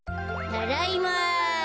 ただいま。